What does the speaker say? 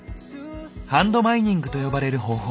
「ハンドマイニング」と呼ばれる方法。